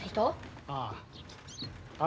ああ。